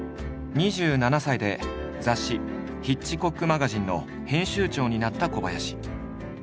２７歳で雑誌「ヒッチコック・マガジン」の編集長になった小林。